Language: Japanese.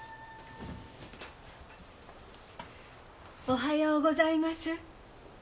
おはようございます。